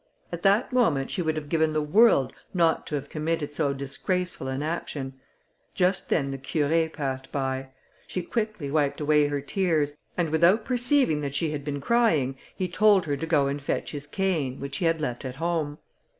At that moment she would have given the world not to have committed so disgraceful an action. Just then the Curé passed by; she quickly wiped away her tears, and without perceiving that she had been crying he told her to go and fetch his cane, which he had left at home.